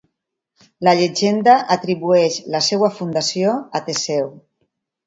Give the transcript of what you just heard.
La llegenda atribueix la seva fundació a Teseu.